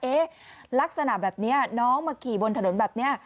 ลักษณะแบบนี้น้องมาขี่บนถนนแบบนี้